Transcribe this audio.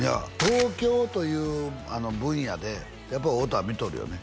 東京という分野でやっぱ太田は見とるよね